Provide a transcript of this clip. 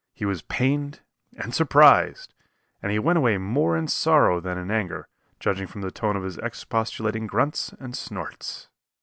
He was pained and surprised, and he went away more in sorrow than in anger, judging from the tone of his expostulating grunts and snorts.